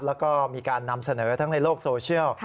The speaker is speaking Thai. แล้วก็มีการนำเสนอทั้งในโลกโซเชียล